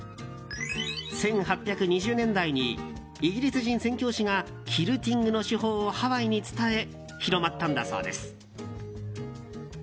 １８２０年代にイギリス人宣教師がキルティングの手法をハワイに伝え広まったんだそうです。